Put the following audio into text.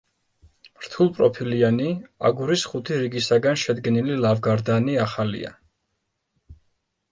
რთულპროფილიანი, აგურის ხუთი რიგისაგან შედგენილი ლავგარდანი ახალია.